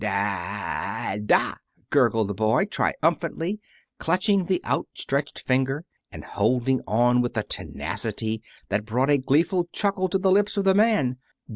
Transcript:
"Da da!" gurgled the boy, triumphantly clutching the outstretched finger, and holding on with a tenacity that brought a gleeful chuckle to the lips of the man.